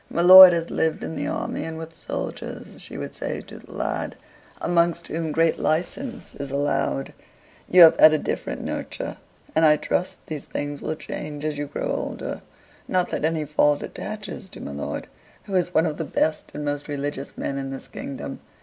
"My lord has lived in the army and with soldiers," she would say to the lad, "amongst whom great license is allowed. You have had a different nurture, and I trust these things will change as you grow older; not that any fault attaches to my lord, who is one of the best and most religious men in this kingdom."